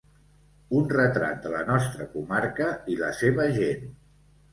Un retrat de la nostra comarca i la seva gent.